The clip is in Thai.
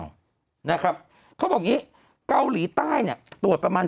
เขาบอกอย่างนี้เกาหลีใต้ตรวจประมาณ๔๐๖๐๐๐